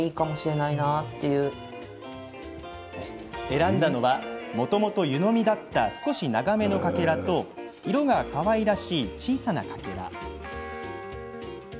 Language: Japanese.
選んだのはもともと湯飲みだった少し長めのかけらと色がかわいらしい小さなかけら。